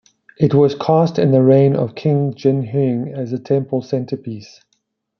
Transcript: It was cast in the reign of King Jinheung as the temple centerpiece.